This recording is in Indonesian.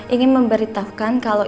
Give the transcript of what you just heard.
ingin memberitahukan kalau